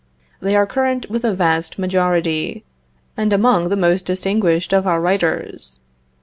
They are current with a vast majority, and among the most distinguished of our writers.